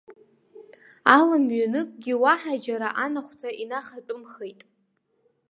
Алмҩаныкгьы уаҳа џьара анахәҭа инахатәымхеит.